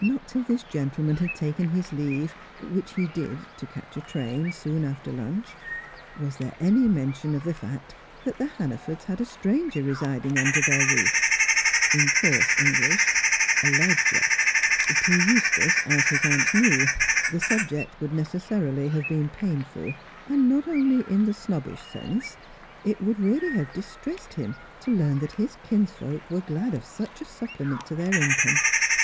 Not till this gentleman had taken his leave, which he did (to catch a train) soon after lunch, was there any mention of the fact that the Hannafords had a stranger residing under their roof: in coarse English, a lodger. To Eustace, as his aunt knew, the subject would necessarily have been painful; and not only in the snobbish sense; it would really have distressed him to learn that his kinsfolk were glad of such a supplement to their income.